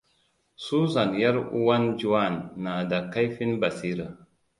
Susan ƴar uwar Juan, na da kaifin basira.